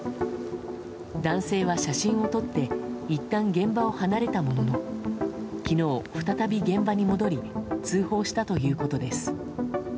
男性は写真を撮っていったん現場を離れたものの昨日再び現場に戻り通報したということです。